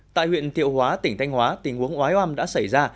tại huyện thiệu hóa tỉnh thanh hóa tình huống oái oam đã xảy ra